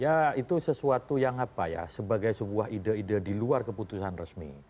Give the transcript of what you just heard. ya itu sesuatu yang apa ya sebagai sebuah ide ide di luar keputusan resmi